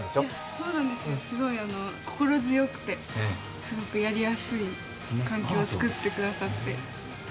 そうなんですよ、すごい心強くて、すごくやりやすい環境をつくってくだすって。